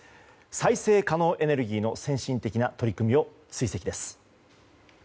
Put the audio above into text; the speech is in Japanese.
再生可能エネルギーの先進的な取り組みを追跡です。